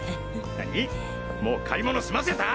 もう買い物すませた！？